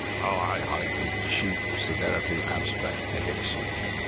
"Oh, I hate the cheap severity of abstract ethics!